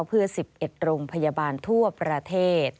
เพื่อ๑๑โรงพยาบาลทั่วประเทศ